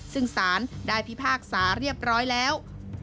ซึ่งสารได้พิพากษาเรียบร้อยแล้ว